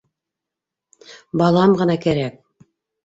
Балам ғына кәрәк!